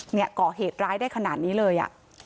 เกาะเหตุร้ายได้ขนาดนี้เลย